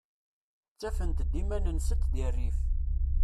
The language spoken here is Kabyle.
Ttafent-d iman-nsent deg rrif.